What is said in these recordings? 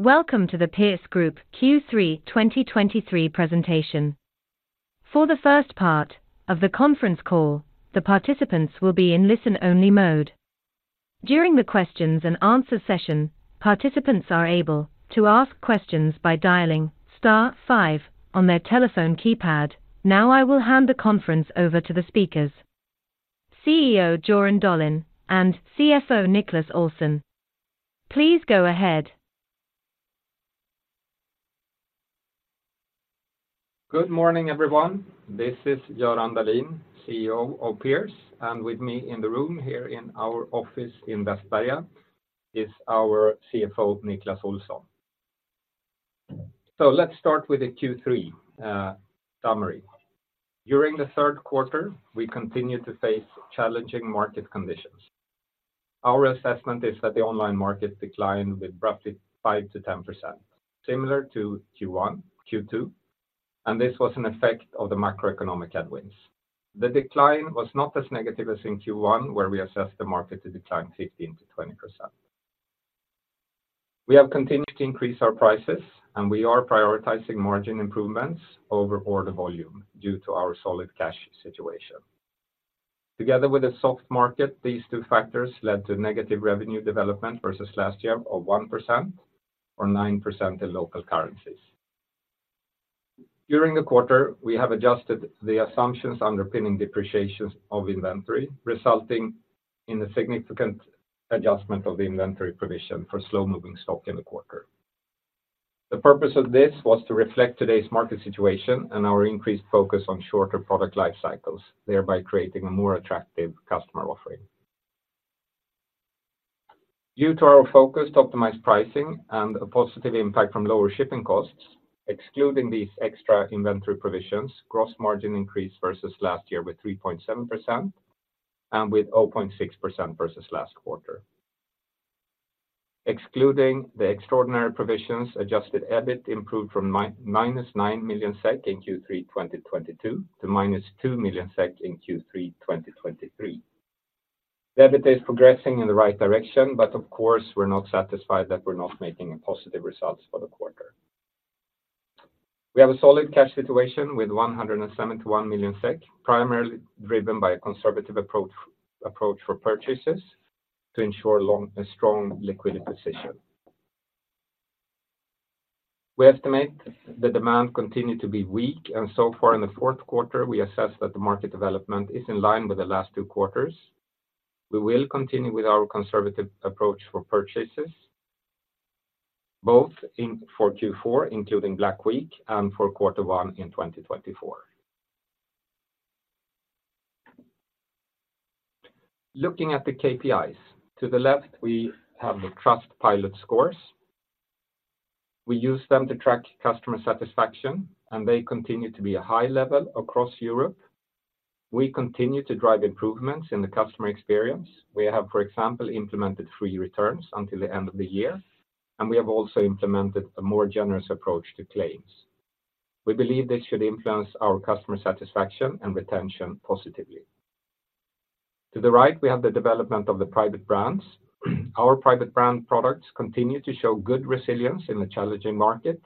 Welcome to the Pierce Group Q3 2023 presentation. For the first part of the conference call, the participants will be in listen-only mode. During the questions and answer session, participants are able to ask questions by dialing star five on their telephone keypad. Now, I will hand the conference over to the speakers, CEO, Göran Dahlin, and CFO, Niclas Olsson. Please go ahead. Good morning, everyone. This is Göran Dahlin, CEO of Pierce, and with me in the room here in our office in Västberga is our CFO, Niclas Olsson. Let's start with the Q3 summary. During the third quarter, we continued to face challenging market conditions. Our assessment is that the online market declined with roughly 5%-10%, similar to Q1, Q2, and this was an effect of the macroeconomic headwinds. The decline was not as negative as in Q1, where we assessed the market to decline 15%-20%. We have continued to increase our prices, and we are prioritizing margin improvements over order volume due to our solid cash situation. Together with a soft market, these two factors led to negative revenue development versus last year of 1% or 9% in local currencies. During the quarter, we have adjusted the assumptions underpinning depreciations of inventory, resulting in a significant adjustment of the inventory provision for slow-moving stock in the quarter. The purpose of this was to reflect today's market situation and our increased focus on shorter product life cycles, thereby creating a more attractive customer offering. Due to our focused optimized pricing and a positive impact from lower shipping costs, excluding these extra inventory provisions, gross margin increased versus last year with 3.7% and with 0.6% versus last quarter. Excluding the extraordinary provisions, adjusted EBIT improved from -9 million SEK in Q3 2022 to -2 million SEK in Q3 2023. The EBIT is progressing in the right direction, but of course, we're not satisfied that we're not making a positive results for the quarter. We have a solid cash situation with 171 million SEK, primarily driven by a conservative approach for purchases to ensure a strong liquidity position. We estimate the demand continued to be weak, and so far in the fourth quarter, we assess that the market development is in line with the last two quarters. We will continue with our conservative approach for purchases, both in for Q4, including Black Week and for quarter 1 in 2024. Looking at the KPIs, to the left, we have the Trustpilot scores. We use them to track customer satisfaction, and they continue to be a high level across Europe. We continue to drive improvements in the customer experience. We have, for example, implemented free returns until the end of the year, and we have also implemented a more generous approach to claims. We believe this should influence our customer satisfaction and retention positively. To the right, we have the development of the private brands. Our private brand products continue to show good resilience in the challenging market.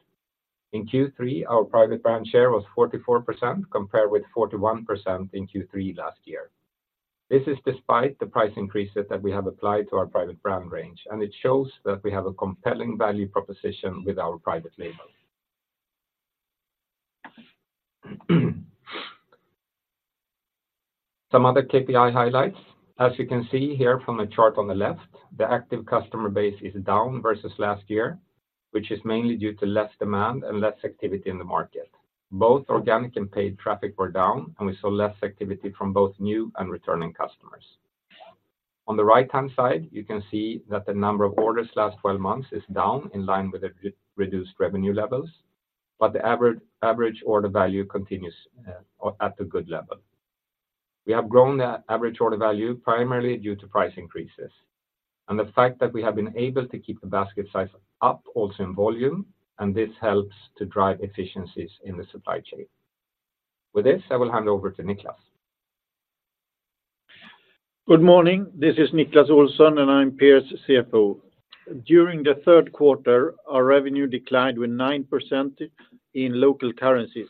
In Q3, our private brand share was 44%, compared with 41% in Q3 last year. This is despite the price increases that we have applied to our private brand range, and it shows that we have a compelling value proposition with our private label. Some other KPI highlights. As you can see here from the chart on the left, the active customer base is down versus last year, which is mainly due to less demand and less activity in the market. Both organic and paid traffic were down, and we saw less activity from both new and returning customers. On the right-hand side, you can see that the number of orders last twelve months is down in line with the reduced revenue levels, but the average order value continues at a good level. We have grown the average order value primarily due to price increases and the fact that we have been able to keep the basket size up also in volume, and this helps to drive efficiencies in the supply chain. With this, I will hand over to Niclas. Good morning, this is Niclas Olsson, and I'm Pierce's CFO. During the third quarter, our revenue declined with 9% in local currencies.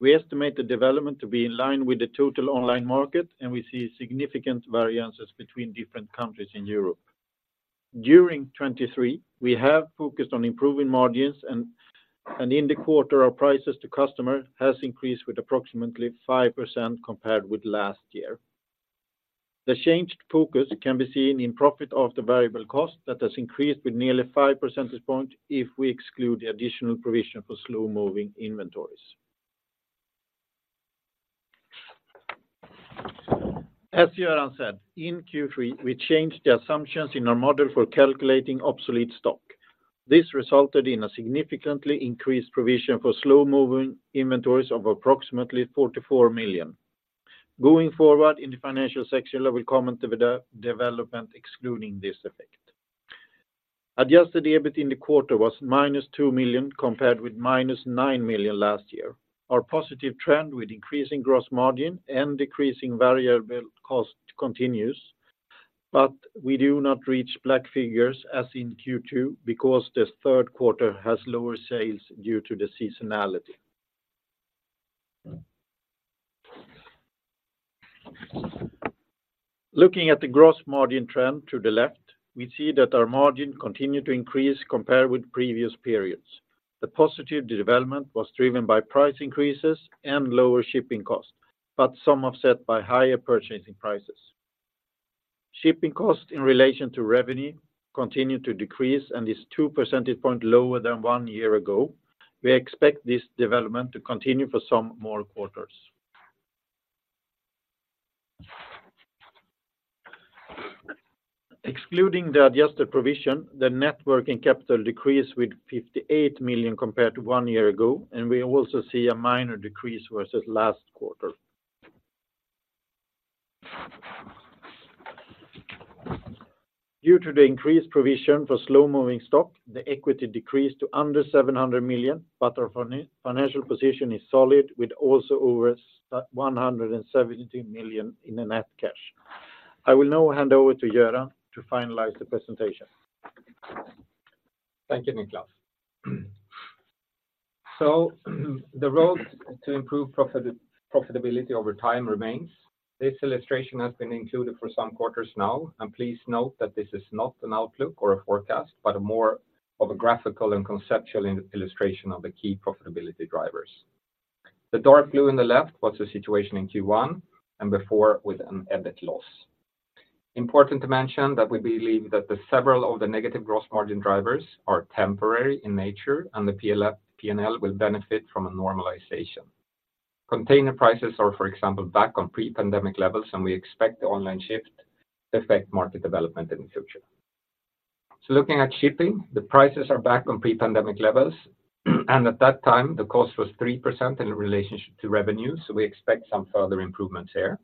We estimate the development to be in line with the total online market, and we see significant variances between different countries in Europe. During 2023, we have focused on improving margins, and in the quarter, our prices to customer has increased with approximately 5% compared with last year. The changed focus can be seen in profile of the variable cost that has increased with nearly 5 percentage point if we exclude the additional provision for slow-moving inventories. As Göran said, in Q3, we changed the assumptions in our model for calculating obsolete stock. This resulted in a significantly increased provision for slow-moving inventories of approximately 44 million. Going forward in the financial section, I will comment over the development, excluding this effect. Adjusted EBIT in the quarter was -2 million, compared with -9 million last year. Our positive trend with increasing gross margin and decreasing variable cost continues, but we do not reach black figures as in Q2 because the third quarter has lower sales due to the seasonality. Looking at the gross margin trend to the left, we see that our margin continued to increase compared with previous periods. The positive development was driven by price increases and lower shipping costs, but some offset by higher purchasing prices. Shipping costs in relation to revenue continued to decrease and is two percentage points lower than one year ago. We expect this development to continue for some more quarters. Excluding the adjusted provision, the net working capital decreased with 58 million compared to one year ago, and we also see a minor decrease versus last quarter. Due to the increased provision for slow-moving stock, the equity decreased to under 700 million, but our financial position is solid, with also over 117 million in the net cash. I will now hand over to Göran to finalize the presentation. Thank you, Niclas. The road to improve profitability over time remains. This illustration has been included for some quarters now, and please note that this is not an outlook or a forecast, but more of a graphical and conceptual illustration of the key profitability drivers. The dark blue on the left was the situation in Q1 and before with an EBIT loss. Important to mention that we believe that several of the negative gross margin drivers are temporary in nature, and the P&L will benefit from a normalization. Container prices are, for example, back on pre-pandemic levels, and we expect the online shift to affect market development in the future. So looking at shipping, the prices are back on pre-pandemic levels, and at that time, the cost was 3% in relationship to revenue, so we expect some further improvements here.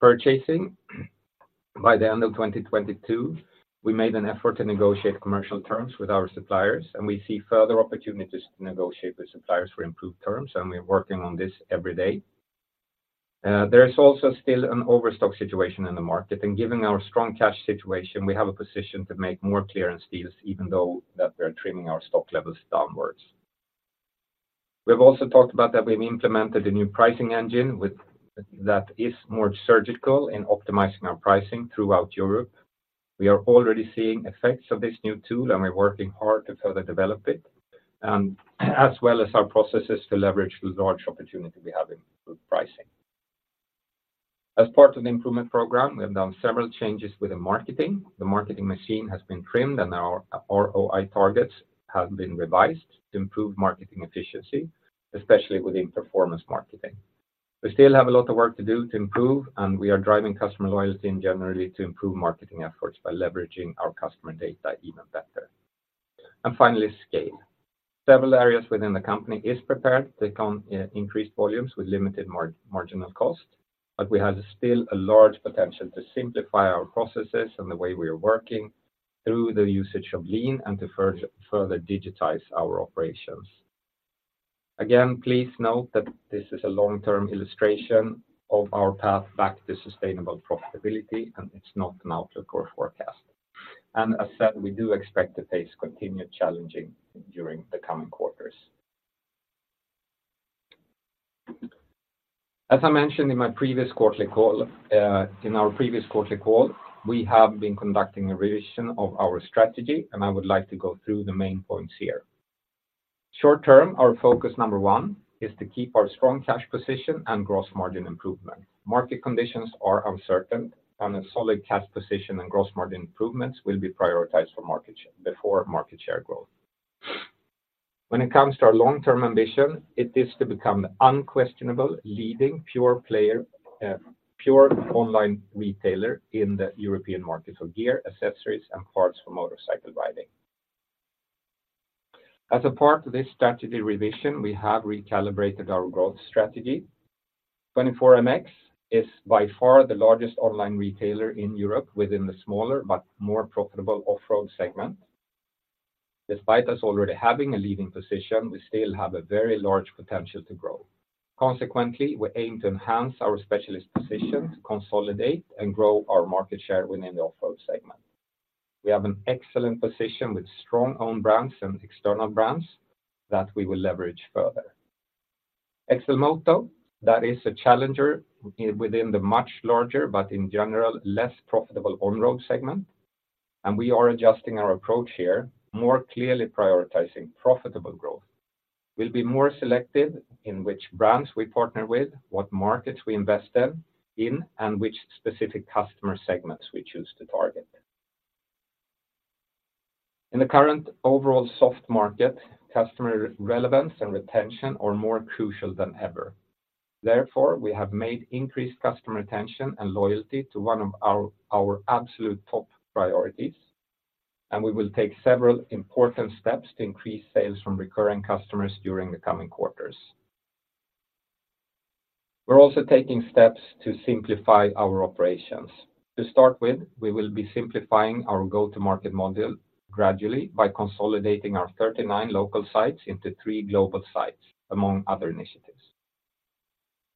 Purchasing, by the end of 2022, we made an effort to negotiate commercial terms with our suppliers, and we see further opportunities to negotiate with suppliers for improved terms, and we're working on this every day. There is also still an overstock situation in the market, and given our strong cash situation, we have a position to make more clearance deals, even though that we are trimming our stock levels downwards. We have also talked about that we've implemented a new pricing engine with, that is more surgical in optimizing our pricing throughout Europe. We are already seeing effects of this new tool, and we're working hard to further develop it, and as well as our processes to leverage the large opportunity we have in group pricing. As part of the improvement program, we have done several changes with the marketing. The marketing machine has been trimmed and our ROI targets have been revised to improve marketing efficiency, especially within performance marketing. We still have a lot of work to do to improve, and we are driving customer loyalty in general to improve marketing efforts by leveraging our customer data even better. And finally, scale. Several areas within the company is prepared to take on increased volumes with limited marginal cost, but we have still a large potential to simplify our processes and the way we are working through the usage of Lean and to further digitize our operations. Again, please note that this is a long-term illustration of our path back to sustainable profitability, and it's not an outlook or forecast. And as said, we do expect the pace continued challenging during the coming quarters. As I mentioned in my previous quarterly call, in our previous quarterly call, we have been conducting a revision of our strategy, and I would like to go through the main points here. Short term, our focus number one is to keep our strong cash position and gross margin improvement. Market conditions are uncertain, and a solid cash position and gross margin improvements will be prioritized for market share, before market share growth. When it comes to our long-term ambition, it is to become the unquestionable leading pure player, pure online retailer in the European market for gear, accessories, and parts for motorcycle riding. As a part of this strategy revision, we have recalibrated our growth strategy. 24MX is by far the largest online retailer in Europe within the smaller but more profitable off-road segment. Despite us already having a leading position, we still have a very large potential to grow. Consequently, we aim to enhance our specialist position to consolidate and grow our market share within the off-road segment. We have an excellent position with strong own brands and external brands that we will leverage further. XLMOTO, that is a challenger within the much larger, but in general, less profitable on-road segment, and we are adjusting our approach here, more clearly prioritizing profitable growth. We'll be more selective in which brands we partner with, what markets we invest in, and which specific customer segments we choose to target. In the current overall soft market, customer relevance and retention are more crucial than ever. Therefore, we have made increased customer retention and loyalty one of our absolute top priorities, and we will take several important steps to increase sales from recurring customers during the coming quarters. We're also taking steps to simplify our operations. To start with, we will be simplifying our go-to-market model gradually by consolidating our 39 local sites into three global sites, among other initiatives.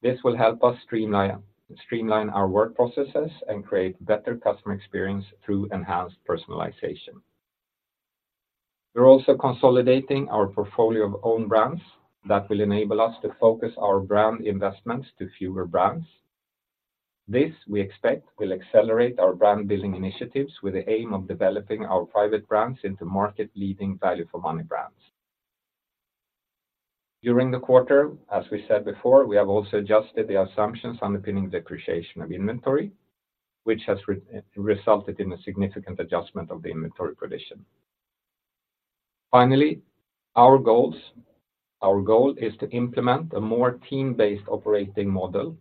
This will help us streamline our work processes and create better customer experience through enhanced personalization. We're also consolidating our portfolio of own brands that will enable us to focus our brand investments to fewer brands. This, we expect, will accelerate our brand building initiatives with the aim of developing our private brands into market-leading value for money brands. During the quarter, as we said before, we have also adjusted the assumptions underpinning depreciation of inventory, which has resulted in a significant adjustment of the inventory position. Finally, our goals. Our goal is to implement a more team-based operating model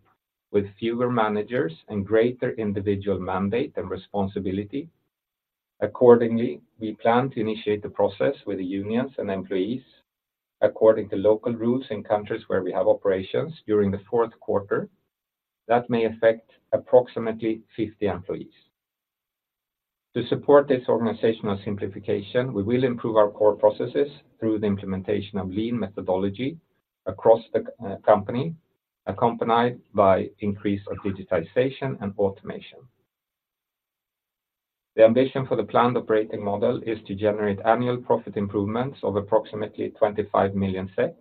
with fewer managers and greater individual mandate and responsibility. Accordingly, we plan to initiate the process with the unions and employees according to local rules in countries where we have operations during the fourth quarter, that may affect approximately 50 employees. To support this organizational simplification, we will improve our core processes through the implementation of Lean methodology across the company, accompanied by increase of digitization and automation. The ambition for the planned operating model is to generate annual profit improvements of approximately 25 million SEK,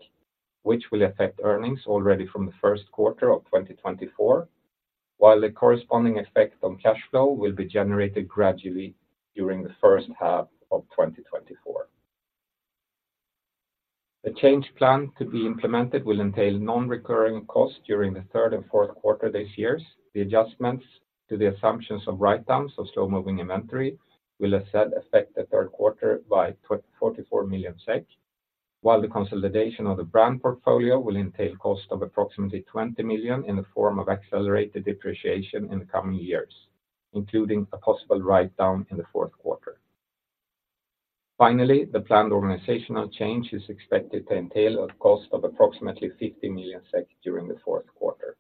which will affect earnings already from the first quarter of 2024, while the corresponding effect on cash flow will be generated gradually during the first half of 2024. The change plan to be implemented will entail non-recurring costs during the third and fourth quarter this year. The adjustments to the assumptions of write-downs of slow-moving inventory will affect the third quarter by 44 million SEK, while the consolidation of the brand portfolio will entail cost of approximately 20 million in the form of accelerated depreciation in the coming years, including a possible write-down in the fourth quarter. Finally, the planned organizational change is expected to entail a cost of approximately 50 million SEK during the fourth quarter.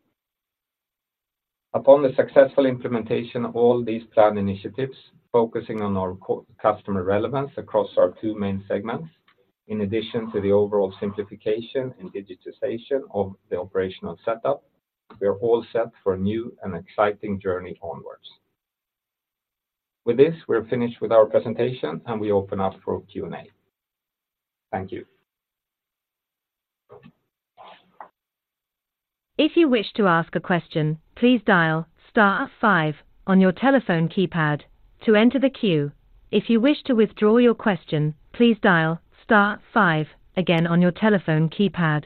Upon the successful implementation of all these planned initiatives, focusing on our customer relevance across our two main segments, in addition to the overall simplification and digitization of the operational setup, we are all set for a new and exciting journey onwards. With this, we're finished with our presentation, and we open up for Q&A. Thank you. If you wish to ask a question, please dial star five on your telephone keypad to enter the queue. If you wish to withdraw your question, please dial star five again on your telephone keypad.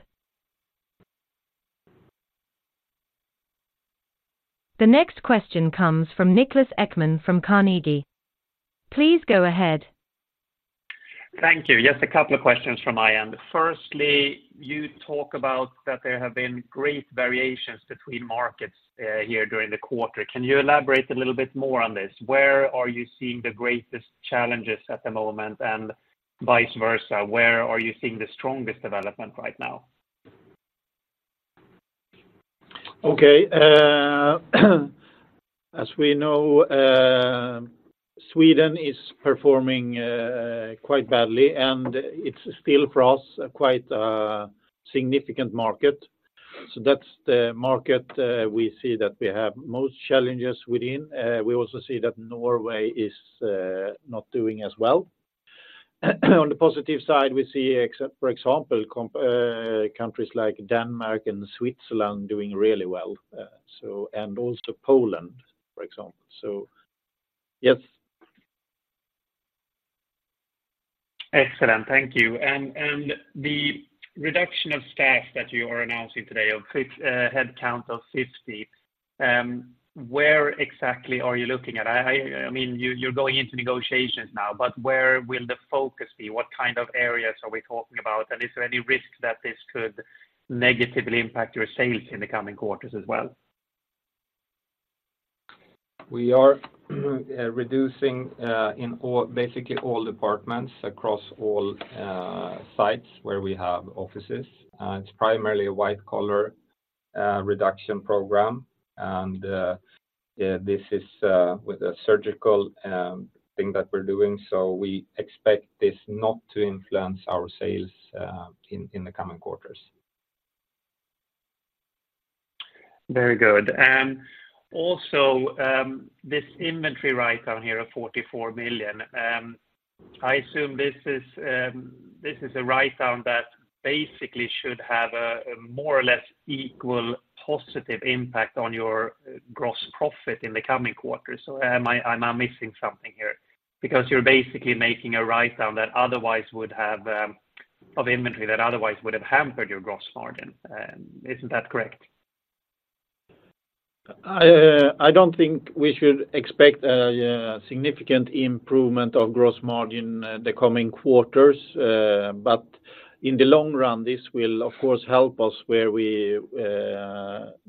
The next question comes from Niklas Ekman from Carnegie. Please go ahead. Thank you. Just a couple of questions from my end. Firstly, you talk about that there have been great variations between markets, here during the quarter. Can you elaborate a little bit more on this? Where are you seeing the greatest challenges at the moment, and vice versa, where are you seeing the strongest development right now? Okay, as we know, Sweden is performing quite badly, and it's still for us quite a significant market. So that's the market we see that we have most challenges within. We also see that Norway is not doing as well. On the positive side, we see for example countries like Denmark and Switzerland doing really well, so and also Poland, for example. So yes. Excellent, thank you. The reduction of staff that you are announcing today of 6 headcount of 50, where exactly are you looking at? I mean, you're going into negotiations now, but where will the focus be? What kind of areas are we talking about? Is there any risk that this could negatively impact your sales in the coming quarters as well? We are reducing in all, basically all departments across all sites where we have offices. It's primarily a white-collar reduction program, and yeah, this is with a surgical thing that we're doing, so we expect this not to influence our sales in the coming quarters. Very good. And also, this inventory write down here of 44 million, I assume this is, this is a write down that basically should have a more or less equal positive impact on your gross profit in the coming quarters. So am I, am I missing something here? Because you're basically making a write down that otherwise would have, of inventory, that otherwise would have hampered your gross margin. Isn't that correct? I don't think we should expect a significant improvement of gross margin the coming quarters, but in the long run, this will, of course, help us where we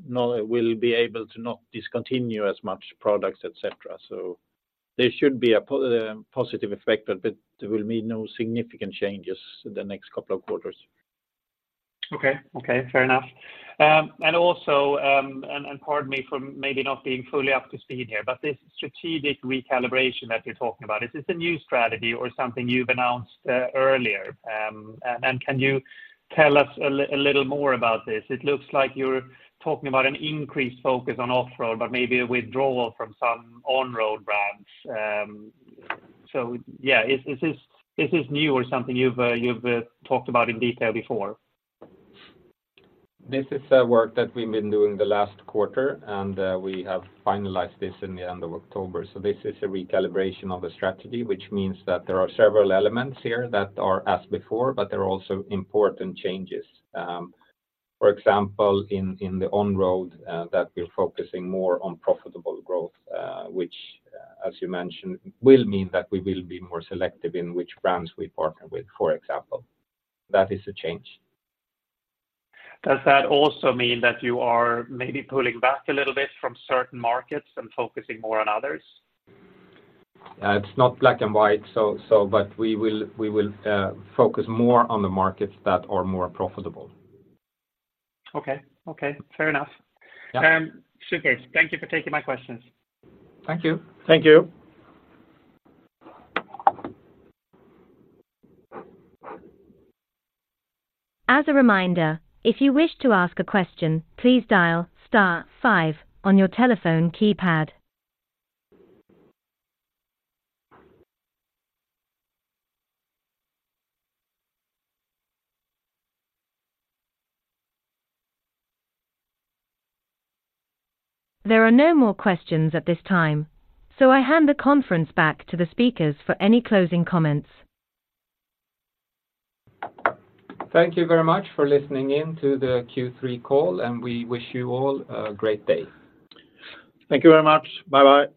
not will be able to not discontinue as much products, et cetera. So there should be a positive effect, but, but there will be no significant changes in the next couple of quarters. Okay, okay, fair enough. And also, pardon me for maybe not being fully up to speed here, but this strategic recalibration that you're talking about, is this a new strategy or something you've announced earlier? And can you tell us a little more about this? It looks like you're talking about an increased focus on off-road, but maybe a withdrawal from some on-road brands. So yeah, is this new or something you've talked about in detail before? This is a work that we've been doing the last quarter, and, we have finalized this in the end of October. So this is a recalibration of the strategy, which means that there are several elements here that are as before, but there are also important changes. For example, in the on-road, that we're focusing more on profitable growth, which, as you mentioned, will mean that we will be more selective in which brands we partner with, for example. That is a change. Does that also mean that you are maybe pulling back a little bit from certain markets and focusing more on others? It's not black and white, so, but we will focus more on the markets that are more profitable. Okay. Okay. Fair enough. Yeah. Super. Thank you for taking my questions. Thank you. Thank you. As a reminder, if you wish to ask a question, please dial star five on your telephone keypad. There are no more questions at this time, so I hand the conference back to the speakers for any closing comments. Thank you very much for listening in to the Q3 call, and we wish you all a great day. Thank you very much. Bye-bye.